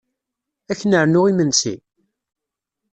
Ad k-nernu imesnsi?